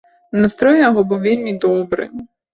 Настрой у яго быў вельмі добры.